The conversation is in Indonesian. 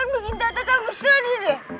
ia bikin tata tata ngesedih deh